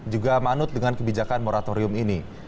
juga manut dengan kebijakan moratorium ini